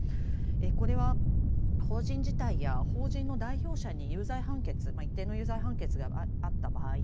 これは法人自体や法人の代表者に有罪判決一定の有罪判決があった場合に加えてですね